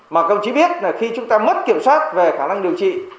mà công chí biết là khi chúng ta mất kiểm soát về khả năng điều trị